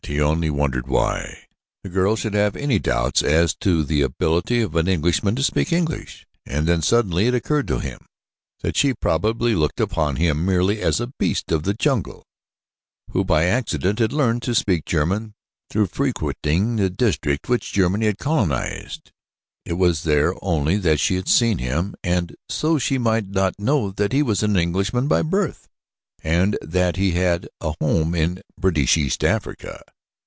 He only wondered why the girl should have any doubts as to the ability of an Englishman to speak English, and then suddenly it occurred to him that she probably looked upon him merely as a beast of the jungle who by accident had learned to speak German through frequenting the district which Germany had colonized. It was there only that she had seen him and so she might not know that he was an Englishman by birth, and that he had had a home in British East Africa.